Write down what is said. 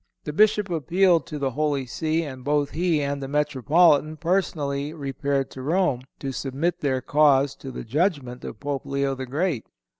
The Bishop appealed to the Holy See, and both he and the Metropolitan personally repaired to Rome, to submit their cause to the judgment of Pope Leo the Great.